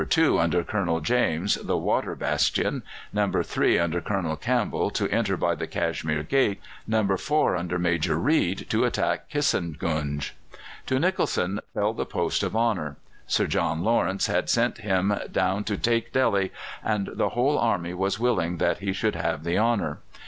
2, under Colonel James, the Water Bastion; No. 3, under Colonel Campbell, to enter by the Cashmere Gate; No. 4, under Major Reid, to attack Kissengunge. To Nicholson fell the post of honour. Sir John Lawrence had sent him down "to take Delhi," and the whole army was willing that he should have that honour.